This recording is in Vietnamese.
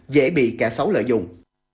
dễ bị kẻ xấu lợi dụng